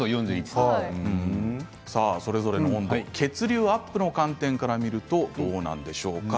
血流アップの観点から見るとどうなんでしょうか。